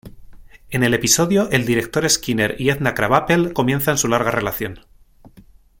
En el episodio, el director Skinner y Edna Krabappel comienzan su larga relación.